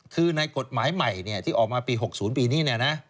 คือในกฎหมายใหม่ที่ออกมาปี๖๐ปีนี้